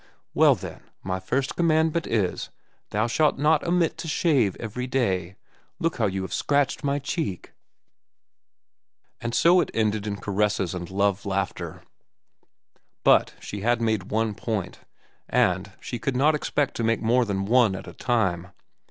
"Well, then, my first commandment is, Thou shalt not omit to shave every day. Look how you have scratched my cheek." And so it ended in caresses and love laughter. But she had made one point, and she could not expect to make more than one at a time.